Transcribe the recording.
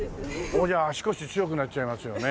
もうじゃあ足腰強くなっちゃいますよね。